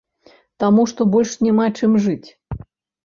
Таму што больш няма чым жыць.